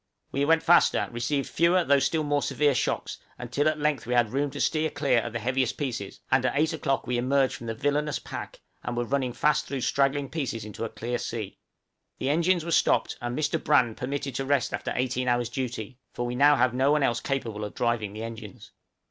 We went faster, received fewer though still more severe shocks, until at length we had room to steer clear of the heaviest pieces; and at eight o'clock we emerged from the villanous "pack," and were running fast through straggling pieces into a clear sea. The engines were stopped, and Mr. Brand permitted to rest after eighteen hours' duty, for we now have no one else capable of driving the engines.